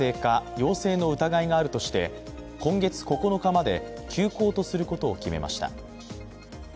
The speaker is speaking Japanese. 陽性の疑いがあるとして、今月９日まで休校とすることを決めました。